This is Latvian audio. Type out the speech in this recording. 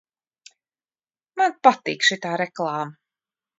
Man patīk šitā reklāma!